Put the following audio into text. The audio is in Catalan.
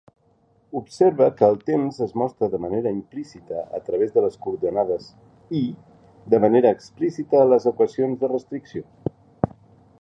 Observa que el temps es mostra de manera implícita a través de les coordenades "i" de manera explícita a les equacions de restricció.